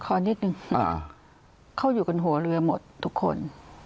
ขอนิดนึงเขาอยู่กันหัวเรือหมดทุกคน